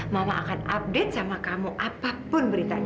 mama akan update sama kamu apapun beritanya